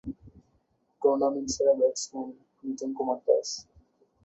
Tournament সেরা batsman: Liton Kumar Das.